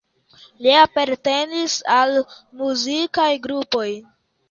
Li apartenis al muzikaj grupoj.